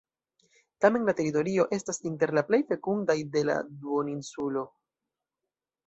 Tamen la teritorio estas inter la plej fekundaj de la duoninsulo.